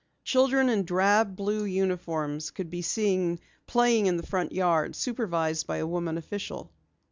Children in drab blue uniforms could be seen playing in the front yard, supervised by a woman official.